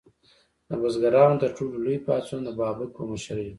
د بزګرانو تر ټولو لوی پاڅون د بابک په مشرۍ و.